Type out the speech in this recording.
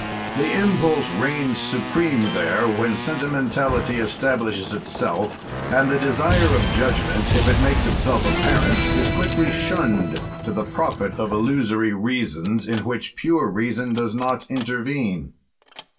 "The impulse reigns supreme there when sentimentality establishes itself, and the desire of judgment, if it makes itself apparent, is quickly shunned, to the profit of illusory reasons, in which pure reason does not intervene.